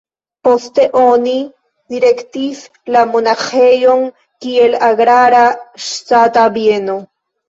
Poste oni direktis la monaĥejon kiel agrara ŝtata bieno.